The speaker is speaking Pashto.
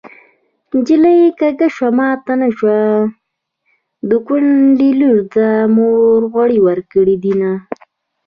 نجلۍ کږه شوه ماته نشته د کونډې لور ده مور غوړي ورکړې دينه